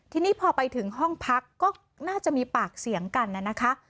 ทีนี้พอไปถึงห้องพักก็น่าจะมีปากเสียงกันนะคะ